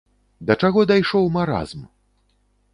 Да чаго дайшоў маразм!